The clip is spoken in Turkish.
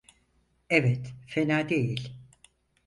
Evet, fena değil.